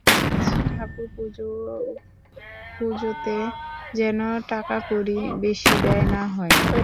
আর ঠাকুরপুজো-ফুজোতে যেন টাকাকড়ি বেশী ব্যয় না করে।